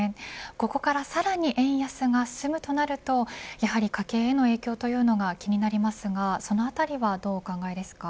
ここからさらに円安が進むとなるとやはり家計への影響というのが気になりますが、そのあたりはどうお考えですか。